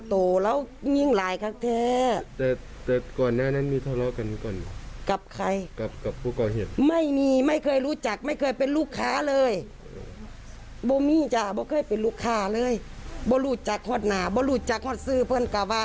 ทางการจับผู้หาตัวและทั้งรับตัว